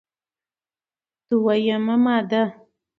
دوه یمه ماده: